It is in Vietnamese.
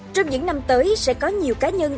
trong những năm tới sẽ có nhiều cá nhân